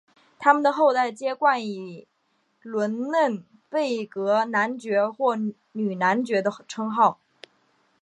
他们的后代皆冠以伦嫩贝格男爵或女男爵的称号。